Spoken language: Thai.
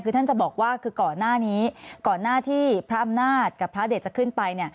คือท่านจะบอกว่าคือก่อนหน้านี้ก่อนหน้าที่พระอำนาจกับพระเด็ดจะขึ้นไป